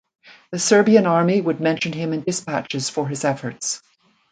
The Serbian Army would mention him in dispatches for his efforts.